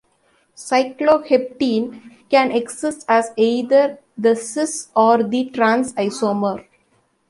Cycloheptene can exist as either the "cis"- or the "trans"-isomer.